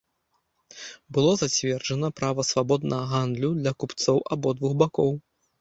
Было зацверджана права свабоднага гандлю для купцоў абодвух бакоў.